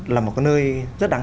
là một cái nơi rất đáng